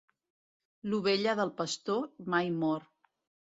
L'ovella del pastor mai mor.